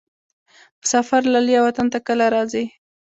مسافر لالیه وطن ته کله راځې؟